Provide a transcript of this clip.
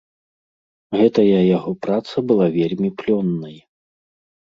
Гэтая яго праца была вельмі плённай.